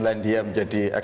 oke nah jawabannya nih